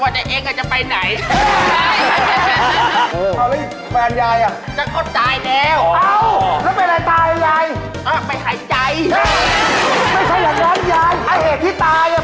เดินไปช่วยบุหลีแล้วรถชนเนี้ย